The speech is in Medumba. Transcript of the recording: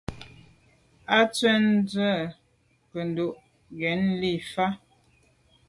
Á swɛ̌n ndwə́ rə̂ ŋgə́tú’ nyɔ̌ŋ lí’ fá.